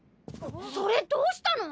それどうしたの？